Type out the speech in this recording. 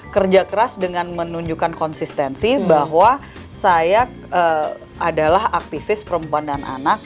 kerja keras dengan menunjukkan konsistensi bahwa saya adalah aktivis perempuan dan anak